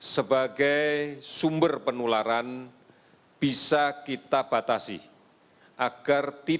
kelas penularan kelas penularan yang kemudian ditambahkan kelas penularan